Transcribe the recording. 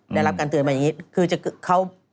ได้รับการเตือนมาอย่างนี้